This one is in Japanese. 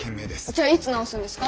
じゃあいつ直すんですか？